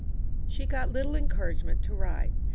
She got little encouragement to write.